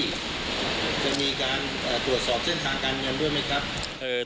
จะมีการตรวจสอบเส้นทางการเงินด้วยไหมครับ